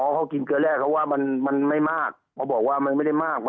เขากินเกลือแร่เขาบอกว่ามันไม่มาก